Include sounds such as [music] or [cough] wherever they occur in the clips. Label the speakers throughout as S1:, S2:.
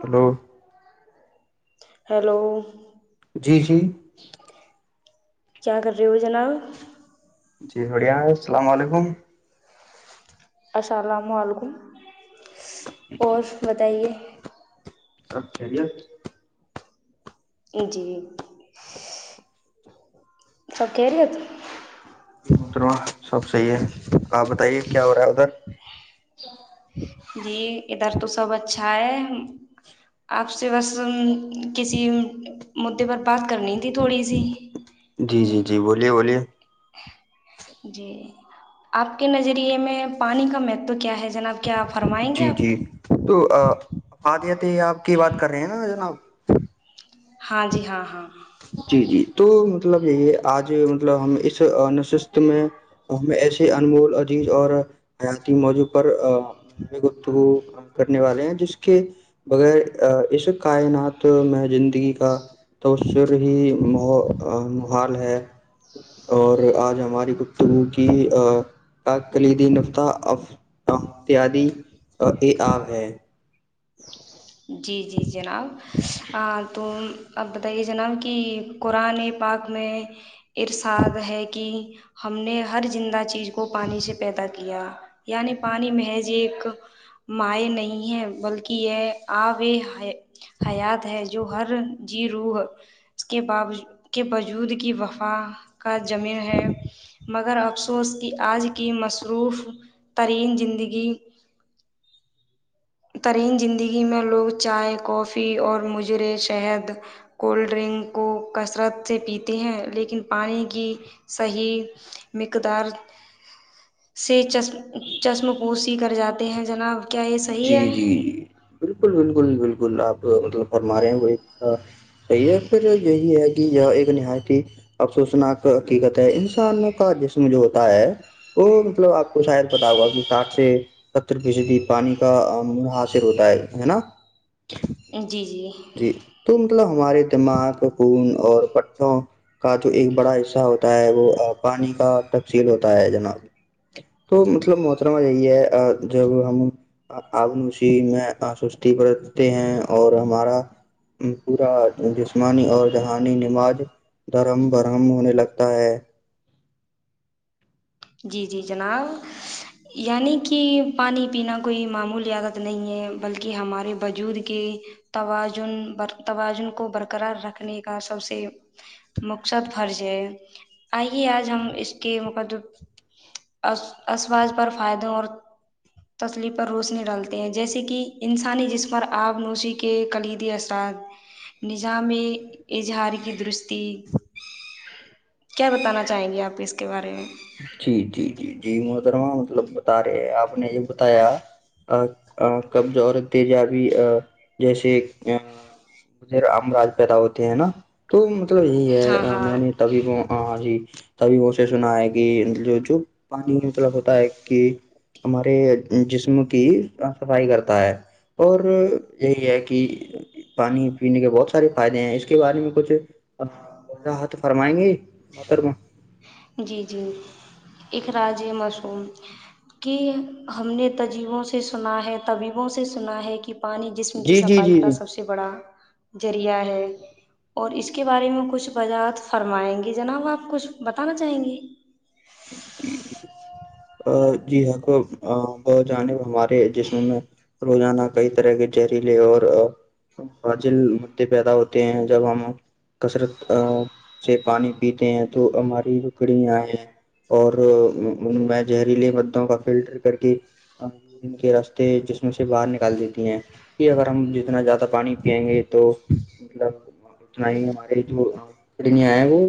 S1: hello
S2: hello
S1: جی جی
S2: کیا کر رہی ہو جناب
S1: جی بڑھیا ہے السلام علیکم
S2: السلام علیکم اور بتائیے
S1: سب کہرییا
S2: ان جی سب کہرییت
S1: یہ مترو سب صحیح ہے آپ بتائیے کیا ہو رہا ہے ادھر
S2: جی ادھر تو سب اچھا ہے آپ سے بس کسی مدے پر بات کرنی تھی تھوڑی سی
S1: جی جی جی بولیے بولیے
S2: جی آپ کے نظریے میں پانی کا مہتو کیا ہے جناب کیا فرمائیں گے
S1: جی
S2: آپ
S1: جی تو [unintelligible] فادیت آپ کی بات کر رہے ہیں نا جناب
S2: ہاں جی ہاں ہاں
S1: جی جی تو مطلب یہی آج مطلب ہم اس نشست میں ہمیں ایسے انمول عزیز اور حیاتی موضوع پر گتگو کرنے والے ہیں جس کے بغیر اس کائنات میں زندگی کا تو ر ہی م محال ہے اور آج ہماری گفتگو کی کلیدی نفتا ا ا اتیاد یہ آب ہے [unintelligible] [inaudible]
S2: جی جی جناب ہ تو [inaudible] اب بتائیے جناب کہ قرآن پاک میں ارساد ہے کہ ہم نے ہر زندہ چیز کو پانی سے پیدا کیا یعنی پانی محض ایک مائع نہیں ہے بلکہ یہ آو حیات ہے جو ہر جی روح کے کے بجود کی وفا کا زمین ہے مگر افسوس کی آج کی مصروف ترین زندگی ترین زندگی میں لوگ چائے کافی اور مجرے شہد کولڈ ڈرنک کو کثرت سے پیتے ہیں لیکن پانی کی صحیح مقدار سے چشم پوسیی کر جاتے ہیں جناب کیا یہ
S1: جی
S2: صحیح ہے
S1: جی جی بالکل بالکل بالکل گ آپ مطلب فرما رہے ہیں وہ ایک صحیح ہے پھر یہی ہے کہ یہاں ایک کہ ن ہ پ افسوسنا کی کہتا ہے انسانوں کا جسمجھوتا ہے وہ مطلب آپ کو شاید پتا ہوگا کہ ساھ سے ر بجلی پانی منحصر ہوتا ہے ہے نا
S2: ہاں
S1: جی تو مطلب ہمارے دماغ خون اور پٹھوں کا جو ایک بڑا حصہ ہوتا ہے وہ پانی کا تفصیل ہوتا ہے جناب تو مطلب محترمہ یہی ہے جب ہم آگنشی میں آستی بتے ہیں اور ہمارا پورا جسمانی اور دہانی نماز دھرم برہم ہونے لگتا ہے
S2: جی جی جناب یعنی کہ پانی پینا کوئی معمول عیاادت نہیں ہے بلکہ ہمارے وجود کے توازن توازن کو برقرار رکھنے کا سب سے مقصد فرض ہے آئیے آج ہم اس کے مقد اسواظ پر فائدوں اور تسلی پر روشنی ڈالتے ہیں جیسے کہ انسانی جس پر آب نوشی کے کلیدی اثرات نظام میں اظہار کی درستی کیا بتانا چاہیں گے آپ اس کو کے بارے میں
S1: جی جی جی جی متروان مطلب بتا رہے آپ نے یہ بتایا کبض اور تجاب جیسے ا مجھے امراج پیدا ہوتے ہیں نا تو مطلب یہی
S2: ہاں
S1: ہے
S2: ہاں
S1: میں نے تبھی وہ جی تبھی مے سنائے گا ان چوچو پانی مطلب ہوتا ہے کہ ہمارے جسم کی صفائی کرتا ہے اور یہی ہے کہ پانی پینے کے بہت سارے فائدے ہیں اس کے بارے میں کچھ وضاحت فرمائیں گے بتر میں
S2: جی جی اخراج مصوم کہ ہم نے تجیبوں سے سنا ہے طبیبوں سے سنا ہے کہ پانی جسم کی
S1: جی جی
S2: صفائی
S1: جی
S2: کا
S1: جی
S2: سب سے بڑا ذریعہ ہے اور اس کے بارے میں کچھ وجاعت فرمائیں گے جناب آپ کچھ بتانا چاہیں گے
S1: جی جی جی حق بہت جانب ہمارے جس میں میں [unintelligible] روزانہ کئی طرح کے جہریلے اور فاجل مدعے پیدا ہوتے ہیں جب ہم کثرت ا سے پانی پیتے ہیں تو ہماری پکڑ آ اور ان میں زہریلے مدوں کا فلٹر کر ین کے رستے جس میں سے باہر نکال دیتی ہیں کہ اگر ہم جتنا زیادہ پانی پیئیں گے تو مطلب اتنا ہی ہمارے آئے وہ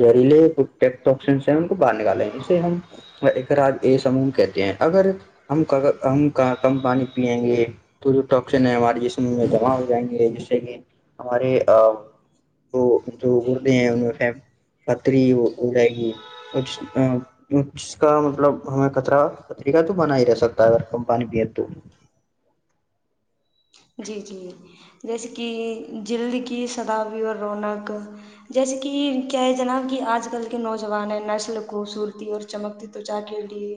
S1: گری لے ٹ کو باہر نکالیں جے ہم سم کہتے ہیں اگر ہم کم پانی پیئیں گے تو جو ٹکسن ہمارے جسم میں جمع ہو جائیں گے جیسے کہ ہمارے وہ جو گردے ہیں ان میں سے پتری ہو جائے گی کچھ ا ج کا مطلب ہمیں کطرا کتر کاہ تو بنا ہی رہ سکتا ہے اگر کم پانی پی تو [unintelligible]
S2: جی جی جیسے کہ جلد کی سداوی اور رونق جیسے کہ کیا ہے جناب کہ آج کل کے نوجوان نسل خوبصورتی اور چمکتی تچا کے لیے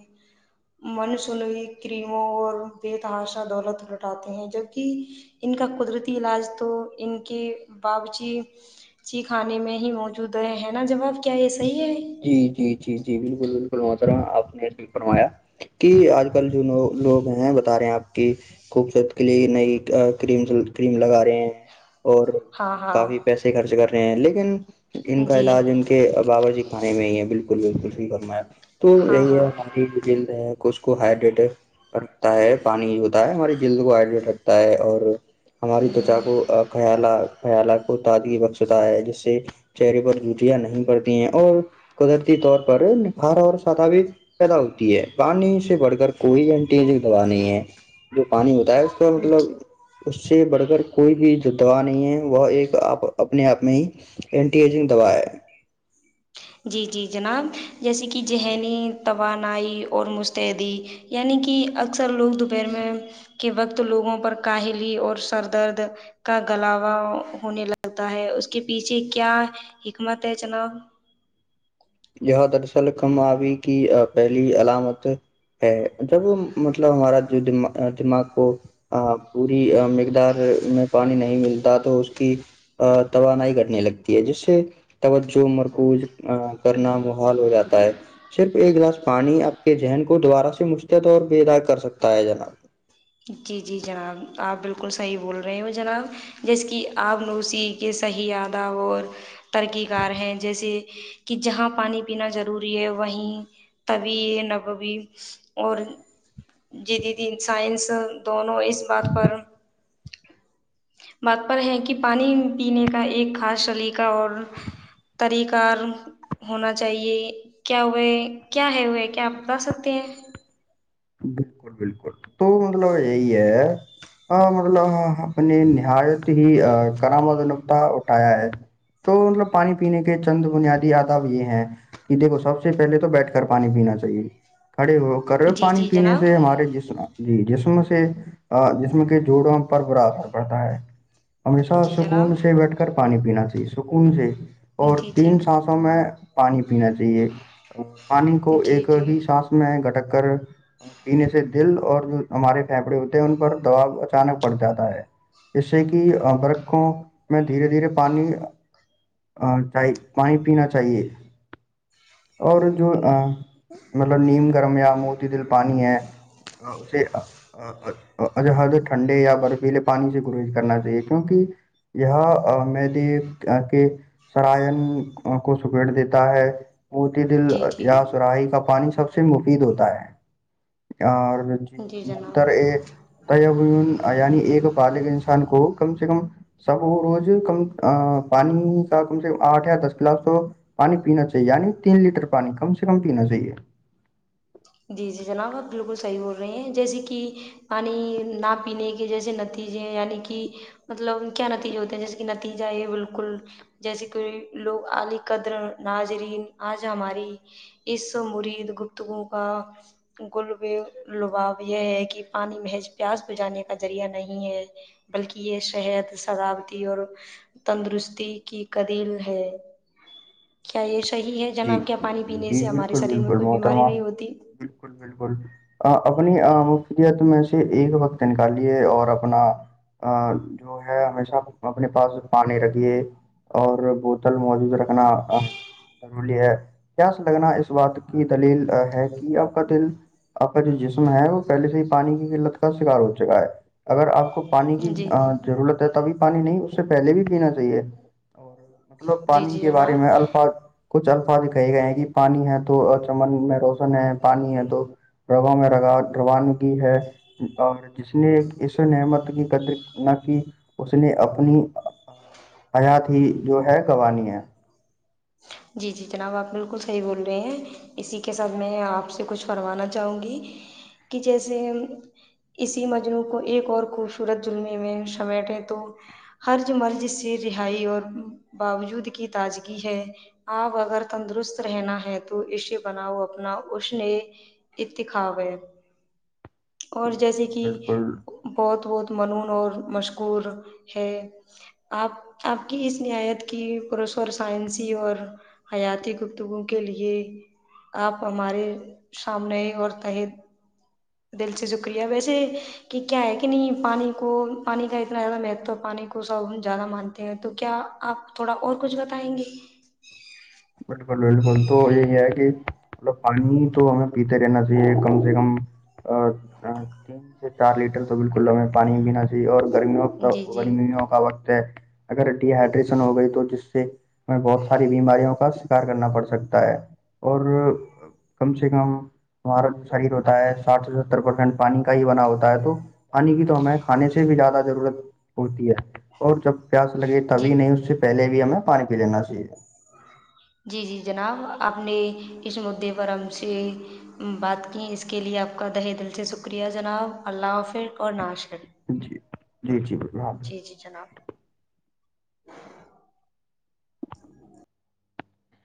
S2: من سنئی کریموں اور بیتحاشا دولت لٹاتے ہیں جب ان کا قدرتی علاج تو ان کے بابچیچی خانے میں ہی موجود ہے ہے نا جواب کیا ایے
S1: جی جی جی جی بالکل بالکل ماترا آپ نے فرمایا کہ آج کل جوو لوگ ہیں بتا رہے ہیں آپ کہ خوبصورت کے لیے نئی کرم کریم لگا رہے ہیں اور
S2: ہاں
S1: کافی
S2: ہاں
S1: پیسے خرچ کر ے ہیں لیکن ان کا
S2: جی
S1: علاج ان کے بابا جی ے میں بالکل بالکل صحیح فرمایا تو
S2: ہاں
S1: یہی ہے
S2: ہاں
S1: ہماری جو جلد ہے اس کو ہڈری تا ہے پانی ہوتا ہے ہماری جلد کو ہائڈریٹ رکھتا ہے اور ہماری تچا کو خیالا خیالا کو تج کی بخشتا ہے جس سے چہرے پر جوٹیاں نہیں پڑتی ہیں اور قدرتی طور پر ہارا اور سادہ بھی پیدا ہوتی ہے پانی سے بڑھ کر کوئی اینٹیجک دوا نہیں ہے جو پانی ہوتا ہے اس کا مطلب
S2: ہوں،
S1: اس سے بڑھ کر کوئی بھی جو دوا نہیں ہے وہ ایک اپنے آپ میں ہی اینٹیجک دوا ہے
S2: جی جی جناب جیسے کہ ذہنی توان اور مستعدی یعنی کہ اثر اک سر لوگ دوپہر میں کے وقت لوگوں پر کاہلی اور سر درد کا گلاوا ہونے لگتا ہے اس کے پیچھے کیا حکمت ہے جناب
S1: یہاں دراصل کم آبی کہ پہلی علامت ہے جب وہ مطلب ہمارا جو دما دماغ ہو پوری مقدار میں پانی نہیں ملتا تو اس کی توانائی گٹنے لگتی ہے جس سے توجہ مرکوز کرنا محال ہو جاتا ہے صرف ایک گلاس پانی آپ کے ذہن کو دوبارہ سے مستد بے ادا کر سکتا ہے جناب
S2: جی جی جناب آپ بالکل صحیح بول رہے ہو جناب جیسے کہ آپ نوسیح کے صحیح ادہ اور ترقی کار ہیں جیسے کہ جہاں پانی پینا ضروری ہے وہیں طبی نببی اور جیدی سائنس د وں اس بات پر بات پر ہے کہ پانی پینے کا ایک خاص سلیقہ اور طریقار ہونا چاہیے کیا ہوئے کیا ہے ہوئے کیا آپ بتا سکتے ہیں
S1: بالکل بالکل تو مطلب یہی ہے ہاں مڈلہ ہاں اپ نے نایت ہی کرا م تا اٹھایا ہے تو مطلب پانی پینے کے چند بنیادی آداب یہ ہیں کہ دیکھو سب سے سے پہل تو بیٹھ کر پانی پینا چاہیے کھڑے ہو کر رہ ہو
S2: جی
S1: پانی
S2: جی
S1: پینے
S2: جناب
S1: سے جیسنا جی جیسم سے آ جسم کہ جوڑوں ہم پر برا سکتا پڑتا ہے ہمیشہ
S2: جی
S1: سکون
S2: جناب
S1: سے بیٹھ کر پانی پینا چاہیے س ان سے اور
S2: جی جی
S1: تین سانسوں میں پانی پینا چاہیے پانی کو
S2: جی
S1: ایک ہی
S2: جی
S1: سانس میں گٹک کر پینے سے دل اور جو ہمارے پھیپھڑے ہوتے ہیں ان پر دباؤ اچانک پڑ جاتا ہے اس سے کہ برقوں میں دھیرے دھیرے پانی پانی پینا چاہیے اور جو مطلب نیم گرم یا موتی دل پانی ہے اسے ٹھنڈے یا برفیلے پانی سے گریج کرنا چاہیے کیونکہ یہ میں دیک کہ سرائن کو سپیڑ دیتا ہے موتی دل
S2: جی جی
S1: یا سراہی کا پانی سب سے سے مفید ہوتا ہے اور جی مقدر ا یعنی ایک بالغ انسان کو کم سے کم سب وہ روز کم ا پانی کا کم سے کم آٹھ یا دس گلاس تو پانی پینا چاہیے یعنی تین لیٹر پانی کم سے کم پینا چاہیے
S2: جی جی جناب آپ بالکل صحیح بول رہے ہیں جیسے کہ پانی نہ پینے کے جیسے نتیجے یعنی کہ مطلب کیا نتیجے ہوتے ہیں جیسے کہ نتیجہ یہ بالکل جیسے کوئی لوگ علی قدر ناظرین آج ہماری اس مرید گپتگو کا گ لباؤ یہ ہے کہ پانی محج پیاس بجانے کا ذریعہ نہیں ہے بلکہ یہ صحت سزاابتی اور تندرستی کی کدیل ہے کیا یہ صی ہے
S1: جی
S2: جناب کیا
S1: جی
S2: پانی
S1: جی
S2: پینے
S1: جی
S2: سے ہمارے
S1: بالکل
S2: شریر میں
S1: بالکل
S2: کوئی بیماری
S1: محترمہ
S2: نہیں ہوتی
S1: بالکل بالکل آ اپنی مفت میں سے ایک وقت نکالیے اور اپنا جو ہے ہمیشہ اپنے پاس پانی رکھیے اور بوتل موجود رکھنا ضرلی ہے کیاس لگنا اس بات کی دلیل ہے کہ آپ کا دل آپ کا جو جسم ہے وہ پہلے سے ہی پانی کی قلت کا شکار ہو چکا ہے اگر آپ کو پانی کی
S2: جی جی
S1: ضرورت ہے تبھی پانی نہیں اس سے پہلے بھی پینا چاہیے اور مطلب
S2: جی
S1: پانی
S2: جی
S1: کے بارے
S2: جناب
S1: میں الفاظ کچ الفاظ کہے گئے ہیں کہ پانی ہے تو چمن میں روشن ہے پانی ہے تو رگوں میں روان کی ہے اور جس نے اس نعمت کی قدر نہ کی اس اس نے اپنی حیات ہی جو ہے قوان ہے
S2: جی جی جناب آپ بالکل صحیح بول رہے ہیں اسی کے ساتھ میں آپ سے کچھ فروانا چاہوں گی کہ جیسے اسی مجنوع کو ایک اور خوبصورت لمے میں سمیٹے تو ہر جو مرض سے رہائی اور باوجود کی تازگی ہے آپ اگر تندرست رہنا ہے تو اسے بناؤ اپنا اشن اتخاب ہے اور جیسے کہ
S1: بالکل بالکل
S2: بہت بہت منون اور مشکور ہے آپ آپ کی اس نہایت کی پروش اور سائنسی اور حیاتی گفتگو کے لیے آپ ہمارے سامنے اور تحت دل سے شکریہ ویسے کہ کیا ہے کہ نہیں پانی کو پانی کا اتنا زیادہ مہتو پانی کو سب زیادہ مان تو کیا آپ تھوڑا اور کچھ بتائیں گے
S1: بالکل بالکل تو یہی ہے مطلب پانی تو ہمیں پیتے رہنا چاہیے کم سے کم تین سے چار لیٹر تو بالکل ہمیں پانی پینا چاہیے اور
S2: جی
S1: گ
S2: جی
S1: گنیو کاابہ اگر ڈی ہڈریشن ہو گئی تو جس سے میں بہت ساری بیماری ہوں کا شکار کرنا پڑ سکتا ہے ہوتا ہے اور کم سے یکم ہمارا جو شریر ہوتا ہے ساٹھ سے ستر پرسینٹ پانی کا ہی بنا ہوتا ہے تو پانی کی تو ہمیں کھانے سے بھی زیادہ ضرورت ہوڑتی ہے اور جب پیاس لگے تبھی
S2: جی
S1: نہیں اس سے پہلے بھی ہمیں پانی پی لینا چاہیے
S2: جی جی جناب آپ نے اس مدعے پر ہم سے بات کی اس کے لیے آپ کا دہ دل سے شکریہ جناب اللہ حافر اور نشر
S1: جی جی جی با
S2: جی جناب